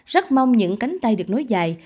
rất mong những cánh tay được nối dài